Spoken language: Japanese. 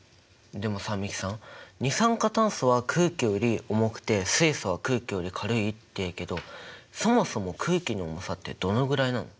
でもさ美樹さん二酸化炭素は空気より重くて水素は空気より軽いっていうけどそもそも空気の重さってどのぐらいなの？